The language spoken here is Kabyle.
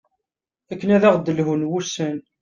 akken ad aɣ-d-lhun wussan